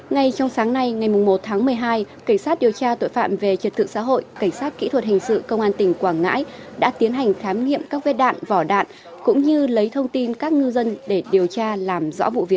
ngay trong sáng nay ngày một tháng một mươi hai cảnh sát điều tra tội phạm về trật tự xã hội cảnh sát kỹ thuật hình sự công an tỉnh quảng ngãi đã tiến hành khám nghiệm các vết đạn vỏ đạn cũng như lấy thông tin các ngư dân để điều tra làm rõ vụ việc